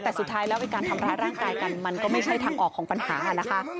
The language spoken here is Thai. แต่สุดท้ายแล้วไอ้การทำร้ายร่างกายกันมันก็ไม่ใช่ทางออกของปัญหานะคะ